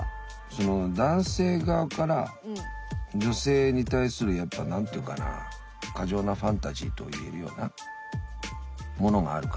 その男性側から女性に対するやっぱ何て言うかな過剰なファンタジーと言えるようなものがあるから。